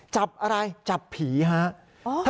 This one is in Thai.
จับอะไรจับผีครับ